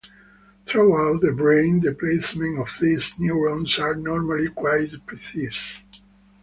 Throughout the brain the placement of these neurons are normally quite precise.